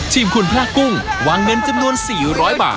ทีมคุณพระกุ้งวางเงินจำนวน๔๐๐บาท